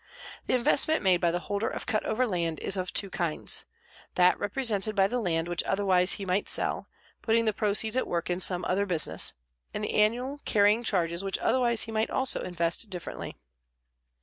The investment made by the holder of cut over land is of two kinds; that represented by the land which otherwise he might sell, putting the proceeds at work in some other business, and the annual carrying charges which otherwise he might also invest differently.